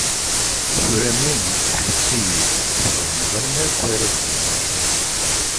Tura a mmi, ḥess-iyi-d, txedmeḍ ayen akka ara k-d-iniɣ.